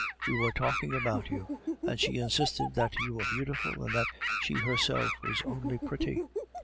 We were talking about you, and she insisted that you were beautiful, and that she herself was only pretty!"